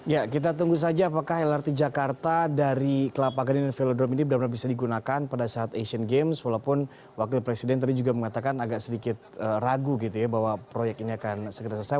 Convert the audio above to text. ya kita tunggu saja apakah lrt jakarta dari kelapa gading dan velodrome ini benar benar bisa digunakan pada saat asian games walaupun wakil presiden tadi juga mengatakan agak sedikit ragu gitu ya bahwa proyek ini akan segera selesai